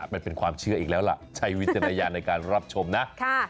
มันเป็นความเชื่ออีกแล้วล่ะใช้วิจารณญาณในการรับชมนะ